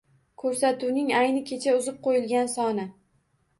Ko‘rsatuvning ayni kecha uzib qo‘yilgan soni